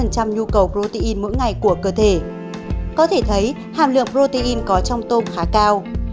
có thể thấy hàm lượng protein có trong tôm khá cao